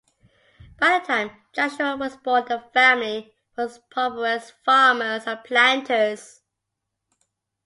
By the time Joshua was born the family were prosperous farmers and planters.